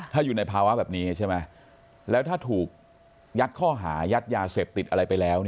ถ้าอยู่ในภาวะแบบนี้ใช่ไหม